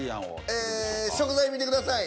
ええ食材見てください。